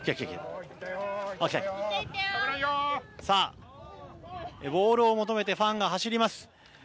さあ、ボールを求めてファンが走ります。